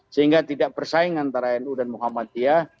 sehingga tidak bersaing antara nu dan muhammadiyah